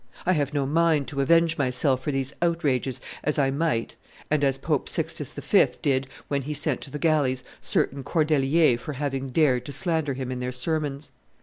I have no mind to avenge myself for these outrages, as I might, and as Pope Sixtus V. did when he sent to the galleys certain Cordeliers for having dared to slander him in their sermons.